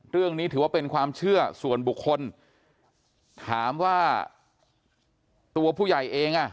เรื่องนี้ถือว่าเป็นความเชื่อส่วนบุคคลถามว่าตัวผู้ใหญ่เองอ่ะ